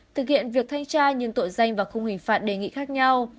thực hiện việc thanh tra những tội danh và không hình phạt đề nghị khác nhau